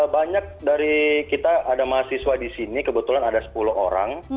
banyak dari kita ada mahasiswa di sini kebetulan ada sepuluh orang